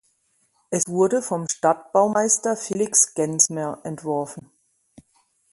Es wurde vom Stadtbaumeister Felix Genzmer entworfen.